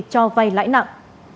cho vay lãi nặng